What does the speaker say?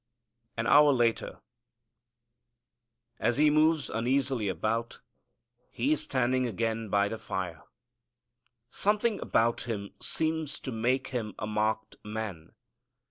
An hour later, as he moves uneasily about, he is standing again by the fire. Something about him seems to make him a marked man.